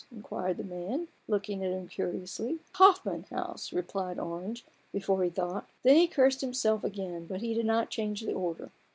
" inquired the man, looking at him curiously. "The Hoffman House," replied Orange, before THE BARGAIN OF RUPERT ORANGE. 49 he thought. Then he cursed himself again, but he did not change the order.